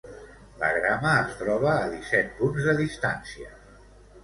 La Grama es troba a disset punts de distància.